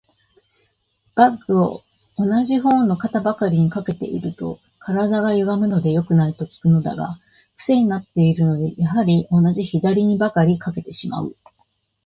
バッグを同じ方の肩ばかりに掛けていると、体がゆがむので良くない、と聞くのだが、クセになっているので、やはり同じ左にばかり掛けてしまう。